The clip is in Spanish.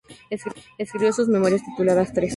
Escribió sus memorias tituladas "Tres.